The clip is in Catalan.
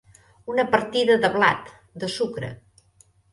Una partida de blat, de sucre.